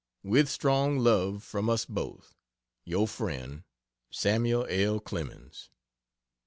With strong love from us both. Your friend, SAML. L. CLEMENS.